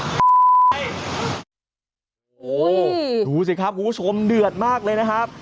โอ้โหดูสิครับคุณผู้ชมเดือดมากเลยนะครับ